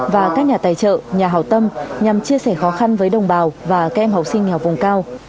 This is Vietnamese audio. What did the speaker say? và các nhà tài trợ nhà hào tâm nhằm chia sẻ khó khăn với đồng bào và các em học sinh nghèo vùng cao